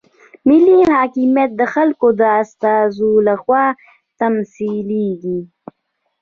ملي حاکمیت د خلکو د استازو لخوا تمثیلیږي.